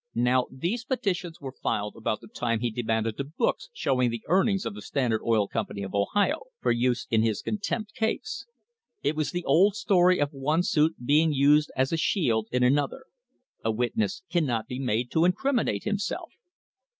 Now, these petitions were filed about the time he demanded the books showing the earnings of the Standard Oil Company of Ohio, for use in his contempt case. It was the old story of one suit being used as a shield in another. A witness cannot be made to incriminate himself.